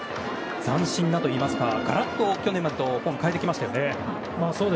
斬新なといいますかガラッと去年とフォームを変えてきましたよね。